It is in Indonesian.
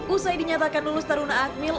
usai dinyatakan lulus taruh ke indonesia